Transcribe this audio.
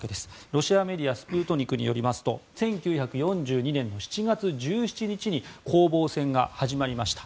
ロシアメディアスプートニクによりますと１９４２年の７月１７日に攻防戦が始まりました。